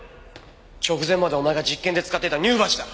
直前までお前が実験で使ってた乳鉢だ。